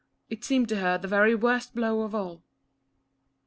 It seemed to her the very worst blow of all.